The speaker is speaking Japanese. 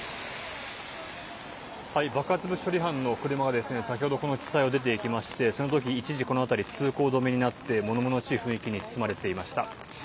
爆発物処理班の車が先ほどこの地裁を出て行きましてその時、一時はこの辺り通行止めになって物々しい雰囲気に包まれていました。